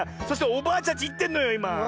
そしておばあちゃんちいってんのよいま。